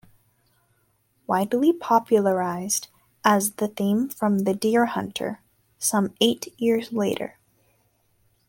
Widely popularised as the theme from "The Deer Hunter" some eight years later.